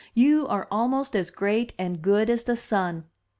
you are almost as great and good as the sun!